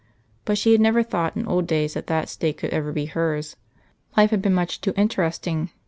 But she had never thought in old days that that state could ever be hers; Life had been much too interesting.